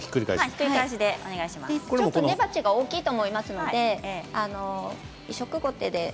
根鉢が大きいと思いますので移植ゴテで